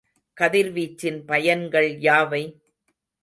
கதிர்வீச்சின் பயன்கள் யாவை?